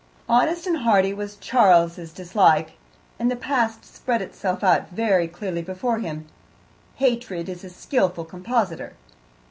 Honest and hearty was Charles's dislike, and the past spread itself out very clearly before him; hatred is a skilful compositor.